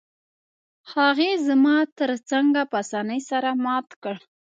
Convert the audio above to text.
هغې زما تره څنګه په اسانۍ سره مات کړ؟